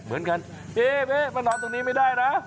เหมือนกันพี่มานอนตรงนี้ไม่ได้นะ